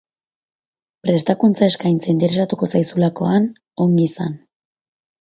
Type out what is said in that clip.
Prestakuntza-eskaintza interesatuko zaizulakoan, ongi izan.